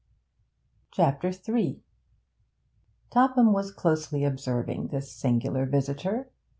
CHAPTER III Topham was closely observing this singular visitor.